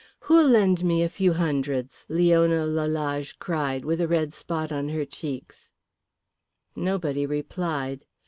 "Who'll lend me a few hundreds?" Leona Lalage cried with a red spot on her cheeks. Nobody replied.